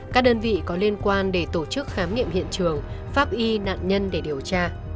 các đơn vị có liên quan để tổ chức khám nghiệm hiện trường pháp y nạn nhân để điều tra